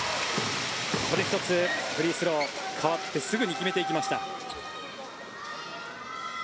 ここで１つフリースロー代わってすぐに決めてきました。